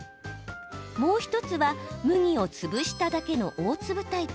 もう一つは麦をつぶしただけの大粒タイプ。